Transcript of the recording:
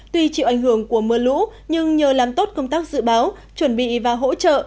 tuy chịu ảnh hưởng của mưa lũ nhưng nhờ làm tốt công tác dự báo chuẩn bị và hỗ trợ